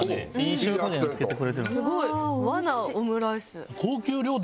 すごい！和なオムライス。